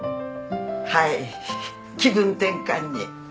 はい気分転換に。